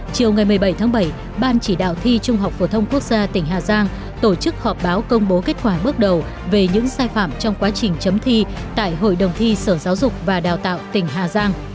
chiều ngày một mươi bảy tháng bảy ban chỉ đạo thi trung học phổ thông quốc gia tỉnh hà giang tổ chức họp báo công bố kết quả bước đầu về những sai phạm trong quá trình chấm thi tại hội đồng thi sở giáo dục và đào tạo tỉnh hà giang